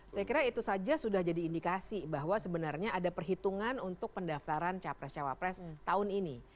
saya kira itu saja sudah jadi indikasi bahwa sebenarnya ada perhitungan untuk pendaftaran capres cawapres tahun ini